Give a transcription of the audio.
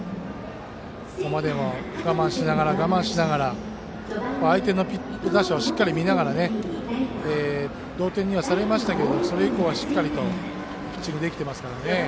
ここまでは我慢しながら我慢しながら相手の打者をしっかり見ながら同点にはされましたけどそれ以降はしっかりとピッチングできていますからね。